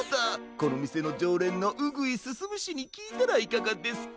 このみせのじょうれんのうぐいすすむしにきいたらいかがですか？